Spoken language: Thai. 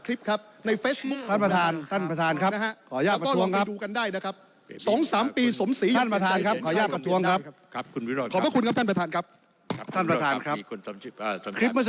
ครับท่านประธานครับครับท่านประธานครับ